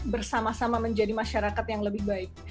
bersama sama menjadi masyarakat yang lebih baik